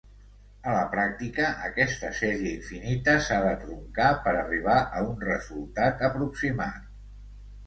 A la pràctica, aquesta sèrie infinita s'ha de truncar per arribar a un resultat aproximat.